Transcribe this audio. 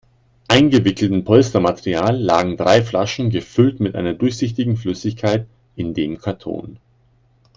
Eingewickelt in Polstermaterial lagen drei Flaschen, gefüllt mit einer durchsichtigen Flüssigkeit, in dem Karton.